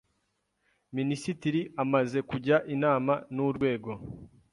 Minisitiri amaze kujya inama n Urwego